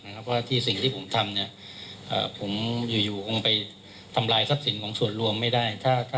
เพราะว่าที่สิ่งที่ผมทำผมอยู่คงไปทำลายทรัพย์สินของส่วนรวมไม่ได้